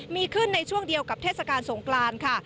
มีขึ้นในช่วงเดียวกับเทศกาลสงกรานค่ะ